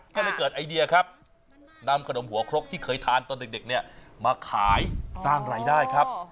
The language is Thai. ก็เลยเกิดไอเดียครับนำขนมหัวครกที่เคยทานตอนเด็กเนี่ยมาขายสร้างรายได้ครับ